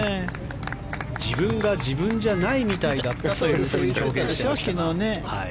自分が自分じゃないみたいだったという表現をしていました。